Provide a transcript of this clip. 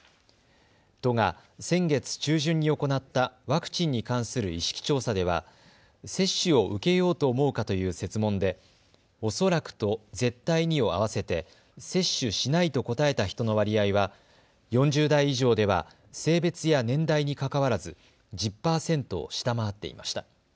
都が先月中旬に行ったワクチンに関する意識調査では接種を受けようと思うかという設問でおそらくと絶対にを合わせて接種しないと答えた人の割合は、４０代以上では性別や年代にかかわらず１０％を下回っていました。